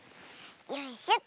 よいしょと。